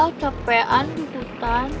wow capean di hutan